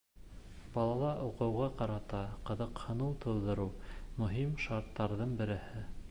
Балала уҡыуға ҡарата ҡыҙыҡһыныу тыуҙырыу — мөһим шарттарҙың береһе.